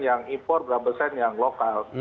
yang impor berapa sen yang lokal